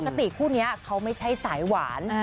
คู่ติคู่นี้เขาไม่ใช่สายหวาน